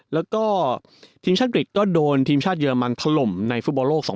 แล้วก็ทีมชาติอัจก็โดนทีมชาติเยอรมันถล่มในฟุตบอลโลก๒๐